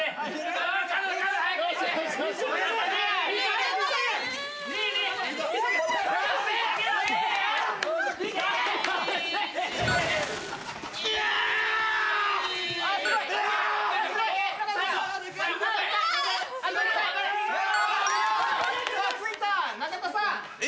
さあついた中田さん。